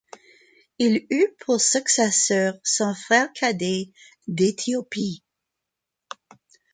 Il eut pour successeur son frère cadet d'Éthiopie.